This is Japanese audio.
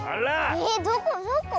えっどこどこ？